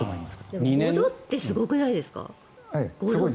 ５度ってすごくないですか。